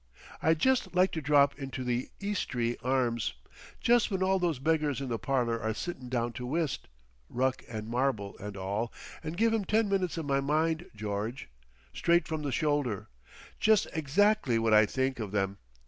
"I'd jes' like to drop into the Eastry Arms, jes' when all those beggars in the parlour are sittin' down to whist, Ruck and Marbel and all, and give 'em ten minutes of my mind, George. Straight from the shoulder. Jes' exactly what I think of them.